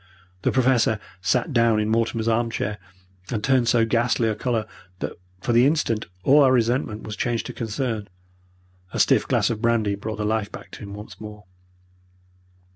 The Professor sat down in Mortimer's arm chair, and turned so ghastly a colour that for the instant all our resentment was changed to concern. A stiff glass of brandy brought the life back to him once more.